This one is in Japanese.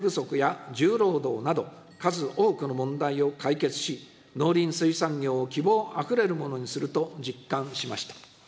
こうした技術が人手不足や重労働など、数多くの問題を解決し、農林水産業を希望あふれるものにすると実感しました。